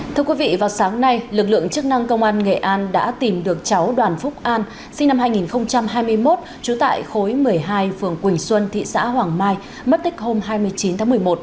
thưa quý vị vào sáng nay lực lượng chức năng công an nghệ an đã tìm được cháu đoàn phúc an sinh năm hai nghìn hai mươi một trú tại khối một mươi hai phường quỳnh xuân thị xã hoàng mai mất tích hôm hai mươi chín tháng một mươi một